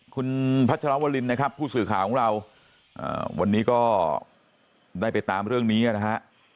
คุณพัชรวรินนะครับผู้สื่อข่าวของเราวันนี้ก็ได้ไปตามเรื่องนี้นะฮะ